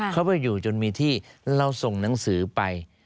เขาไปอยู่จนมีที่เราส่งหนังสือไป